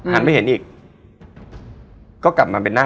หนีก็ยัง